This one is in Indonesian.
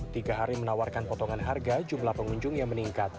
tiga hari menawarkan potongan harga jumlah pengunjung yang meningkat